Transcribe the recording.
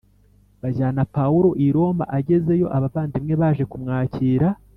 bajyana Pawulo i Roma Agezeyo abavandimwe baje kumwakira